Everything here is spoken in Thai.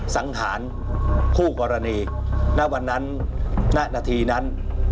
สังหารคู่กรณีณวันนั้นณนาทีนั้น